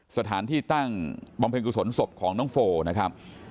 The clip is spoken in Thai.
สถานที่ตั้งบำเพ็ญกุศลศพของน้องโฟนะครับ